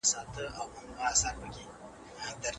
د مېوو استعمال د بدن لپاره خورا اړین دی.